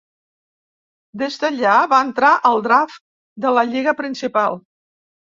Des d'allà va entrar al draft de la lliga principal.